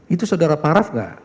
itu saudara paraf gak